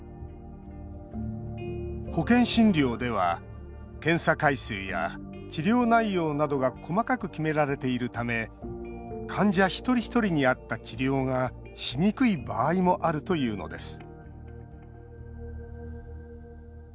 保険診療では検査回数や治療内容などが細かく決められているため患者一人一人に合った治療がしにくい場合もあるというのです